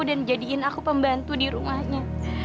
dan jadiin aku pembantu di rumahnya